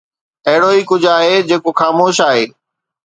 اهڙو ئي ڪجهه آهي جيڪو خاموش آهي